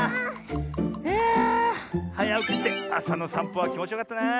いやはやおきしてあさのさんぽはきもちよかったな。